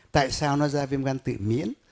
tại sao nó ra viêm gan tự miễn